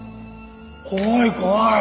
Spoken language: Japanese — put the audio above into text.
怖い怖い！